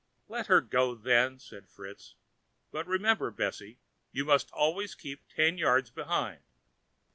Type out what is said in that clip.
"Let her go, then," said Fritz; "but remember, Bessy, you must always keep ten yards behind."